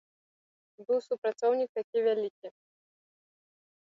Быў супрацоўнік такі вялікі.